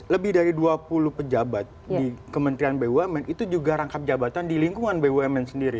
lebih dari dua puluh pejabat di kementerian bumn itu juga rangkap jabatan di lingkungan bumn sendiri